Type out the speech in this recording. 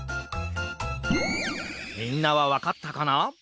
みんなはわかったかな？